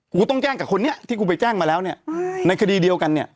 กูต้องแจ้งกับคนนี้ที่กูไปแจ้งมาแล้วเนี่ยในคดีเดียวกันเนี่ย